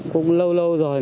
cũng lâu lâu rồi